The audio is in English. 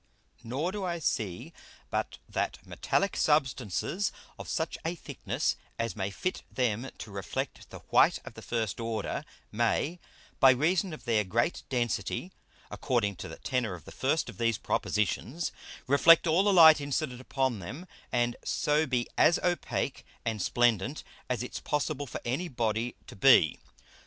Nor do I see but that metallick Substances of such a Thickness as may fit them to reflect the white of the first order, may, by reason of their great Density (according to the Tenor of the first of these Propositions) reflect all the Light incident upon them, and so be as opake and splendent as it's possible for any Body to be.